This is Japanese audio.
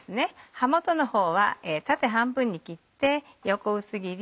葉元のほうは縦半分に切って横薄切り。